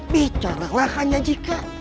bicaralah hanya jika